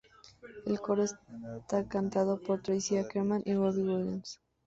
El coro es cantado por Tracy Ackerman y Robbie Williams.